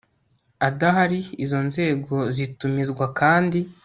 adahari izo nzego zitumizwa kandi